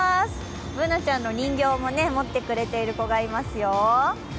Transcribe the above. Ｂｏｏｎａちゃんの人形も持ってくれてる子もいますよ。